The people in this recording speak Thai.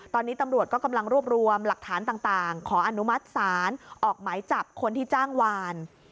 ตอนนี้ตำรวจก็กำลังรวบรวมหลักฐานต่างขออนุมัติศาลออกหมายจับคนที่จ้างวาน